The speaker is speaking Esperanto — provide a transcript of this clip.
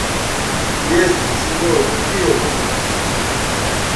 Jes, Sinjoro, iom.